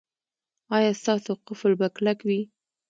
ایا ستاسو قفل به کلک وي؟